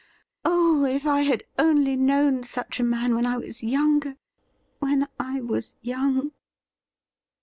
Oh ! if I had only known such a man when I was younger — when I was yoimg